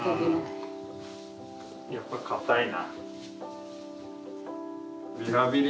やっぱ硬いな。